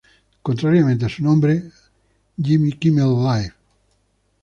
Contrariamente a su nombre, "Jimmy Kimmel Live!